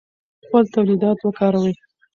خپل تولیدات وکاروئ.